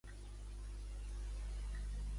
L'heroi li va prendre la vida al rei?